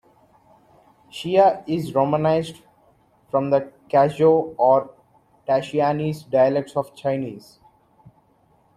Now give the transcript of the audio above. Chea is romanized from the Chaozhou or Taishanese dialects of Chinese.